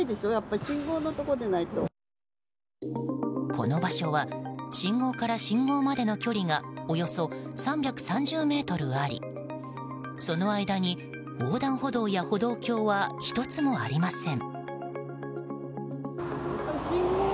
この場所は信号から信号までの距離がおよそ３３０ｍありその間に横断歩道や歩道橋は１つもありません。